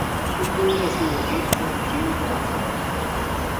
اُتو اُس نا دودھ شُدھ بی گھل چھُڑے